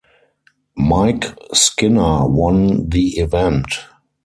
Mike Skinner won the event.